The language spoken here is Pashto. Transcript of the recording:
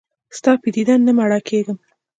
ستا په دیدن نه مړه کېږم.